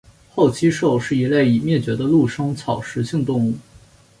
厚膝兽是一类已灭绝的陆生草食性动物。